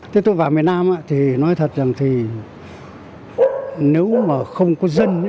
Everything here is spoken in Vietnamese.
thế tôi vào miền nam thì nói thật rằng thì nếu mà không có dân